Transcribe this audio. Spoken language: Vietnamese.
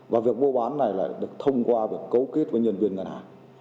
và việc mua bán này lại được thông qua việc cấu kết với nhân viên ngân hàng